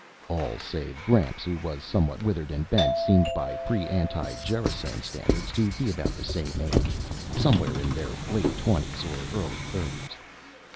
All save Gramps, who was somewhat withered and bent, seemed, by pre anti gerasone standards, to be about the same age somewhere in their late twenties or early thirties.